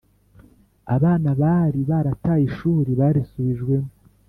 Abana bari barataye ishuri barisubijwemo